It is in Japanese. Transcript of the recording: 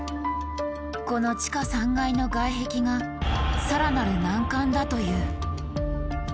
この地下３階の外壁がさらなる難関だという。